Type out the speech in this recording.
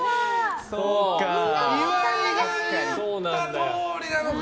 岩井が言ったとおりなのか。